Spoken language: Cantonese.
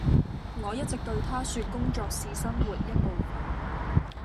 我一直對她說工作是生活一部分